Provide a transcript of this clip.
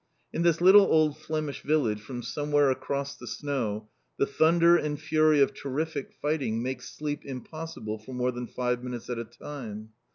In this little old Flemish village from somewhere across the snow the thunder and fury of terrific fighting makes sleep impossible for more than five minutes at a time.